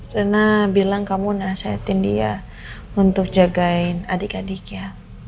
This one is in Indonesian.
rena bilang kamu nasehatin dia untuk jagain adik adiknya